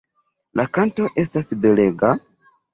La kanto estas belega.